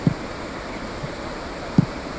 حکومت باید د دې کار مخه ونیسي.